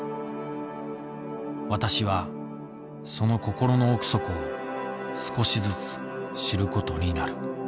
私はその心の奥底を少しずつ知ることになる。